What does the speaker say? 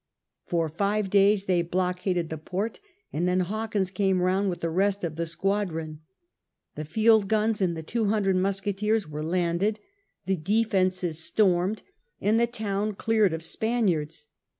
For five days they blockaded the port, and then Hawkins came round with the rest of the squadron. The field guns and two hundred musketeers were landed, the defences stormed, and the town cleared of Spaniards.